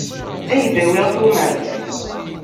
Ad ak-d-awiɣ tumert.